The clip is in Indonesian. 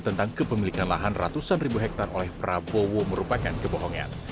tentang kepemilikan lahan ratusan ribu hektare oleh prabowo merupakan kebohongan